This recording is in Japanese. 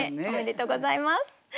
おめでとうございます。